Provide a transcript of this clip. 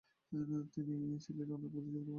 তিনি চিলির অনেক বুদ্ধিজীবীদের মনোযোগ আকর্ষণে সক্ষম হন।